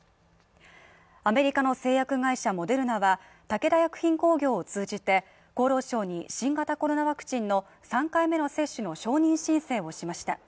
アメリカの製薬会社モデルナは、武田薬品工業を通じて厚労省に新型コロナワクチンの３回目の接種の承認申請をしました。